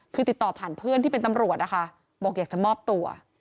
คือติดต่อผ่านเพื่อนที่เป็นตำรวจนะคะบอกอยากจะมอบตัว